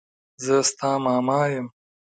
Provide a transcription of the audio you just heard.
زه ستا ماما يم.